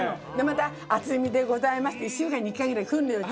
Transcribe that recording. また「渥美でございます」って１週間に１回ぐらい来るのよ。